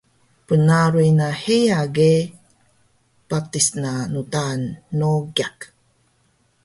Bnaruy na heya ge patis na ndaan Nogiq